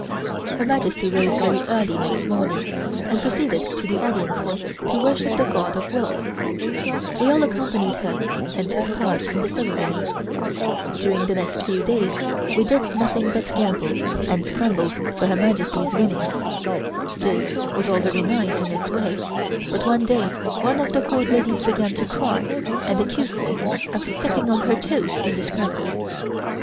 Her Majesty rose very early next morning and proceeded to the Audience Hall to worship the God of Wealth. We all accompanied her and took part in the ceremony. During the next few days we did nothing but gamble and scramble for Her Majesty's winnings. This was all very nice in its way, until one day one of the Court ladies began to cry, and accused me of stepping on her toes in the scramble.